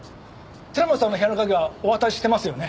寺本さんの部屋の鍵はお渡ししてますよね？